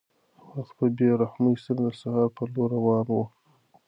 وخت په بې رحمۍ سره د سهار په لور روان و.